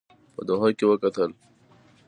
په دوحه کې وکتل.